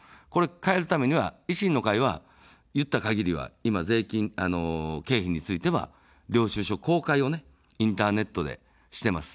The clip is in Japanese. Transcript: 変えるためには維新の会は言った限りは、今、経費については、領収書公開をインターネットでしています。